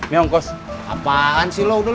dia nggak mau tau